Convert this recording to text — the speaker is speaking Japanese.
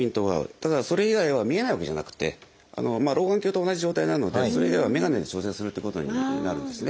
ただそれ以外は見えないわけじゃなくて老眼鏡と同じ状態なのでそれ以外はメガネで調整するということになるんですね。